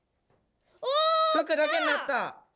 服だけになった！